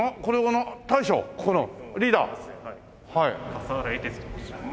笠原英哲と申します。